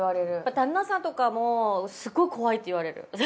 旦那さんとかもすごい怖いって言われる。